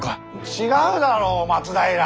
違うだろ松平！